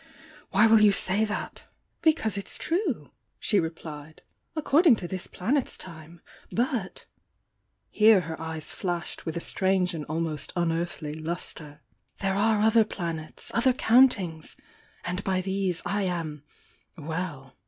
"Why wiU you say that?" "Because it's true!" she replied. "According to this planet's time. But" — here her eyes flashed with a strange and almost unearthly lustre — "there are other planets — other countings! And by these, I am — well!